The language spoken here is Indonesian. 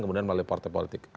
kemudian melalui partai politik